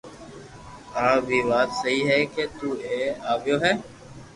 آ بي وات سھي ڪي تو ايئي آويو ھي